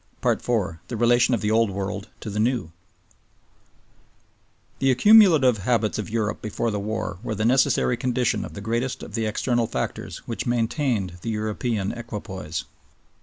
IV. The Relation of the Old World to the New The accumulative habits of Europe before the war were the necessary condition of the greatest of the external factors which maintained the European equipoise.